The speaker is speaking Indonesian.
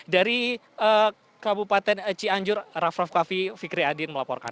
dari kabupaten cianjur raff raff kaffi fikri adin melaporkan